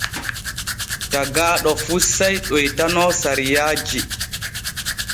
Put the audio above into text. Tagaaɗo fu sey ɗoytano sariyaaji.